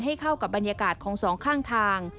ให้เข้ากับบรรยากาศของสองข้างทาง